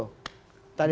itu cara tidak